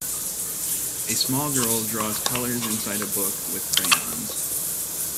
A small girl draws colors inside a book with crayons